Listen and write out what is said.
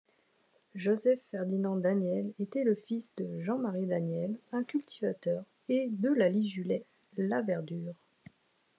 Joseph-Ferdinand Daniel était le fils de Jean-Marie Daniel, un cultivateur, et d'Eulalie Julet Laverdure.